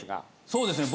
そうですね。